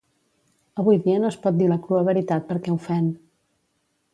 Avui dia no es pot dir la crua veritat perquè ofèn.